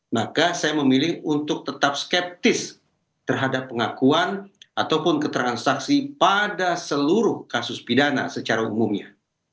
maka saya memilih untuk tetap skeptis terhadap pengakuan ataupun keterangan saksi pada seluruh kasus pidana secara umumnya